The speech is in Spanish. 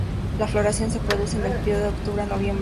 La floración se produce en el período de octubre a noviembre.